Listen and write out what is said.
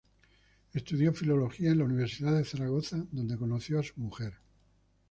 Estudió filología en la Universidad de Zaragoza, donde conoció a su mujer.